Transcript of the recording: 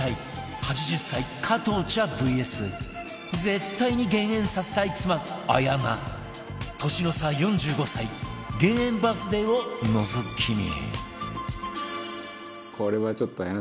８０歳加藤茶 ＶＳ 絶対に減塩させたい妻綾菜年の差４５歳減塩バースデーをのぞき見